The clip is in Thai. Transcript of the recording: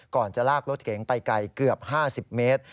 ก่อนจะลากรถเก๋งไปไกลเกือบ๕๐เมตร